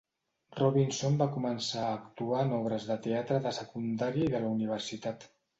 Robinson va començar a actuar en obres de teatre de secundària i de la universitat.